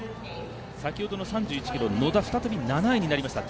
先ほどの３１ｋｍ野田、再び７位になりました。